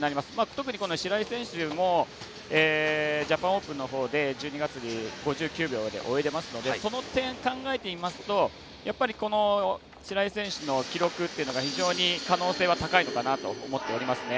特に白井選手もジャパンオープンのほうで１２月で５９秒で泳いでいますのでその点、考えてみますとやっぱり白井選手の記録っていうのが非常に可能性が高いのかなと思っておりますね。